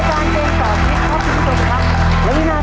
จากจังหวัดนครราชศรีมาให้สามารถพิทธิโจทย์ได้ทั้ง๔ข้อ